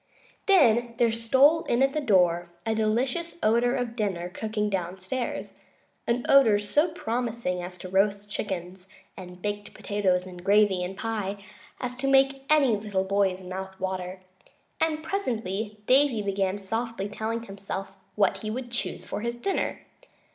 Then there stole in at the door a delicious odor of dinner cooking downstairs, an odor so promising as to roast chickens and baked potatoes and gravy and pie as to make any little boy's mouth water; and presently Davy began softly telling himself what he would choose for his dinner.